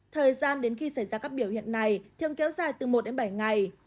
thời gian đến khi xảy ra các biểu hiện này thường kéo dài từ một đến bảy ngày